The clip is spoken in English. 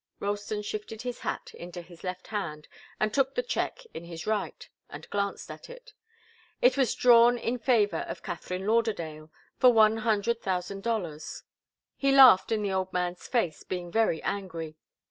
Ralston shifted his hat into his left hand and took the cheque in his right, and glanced at it. It was drawn in favour of Katharine Lauderdale for one hundred thousand dollars. He laughed in the old man's face, being very angry.